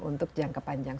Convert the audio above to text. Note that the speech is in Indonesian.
untuk jangka panjang